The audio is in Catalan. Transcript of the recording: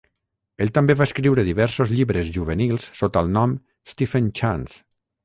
Ell també va escriure diversos llibres juvenils sota el nom Stephen Chance.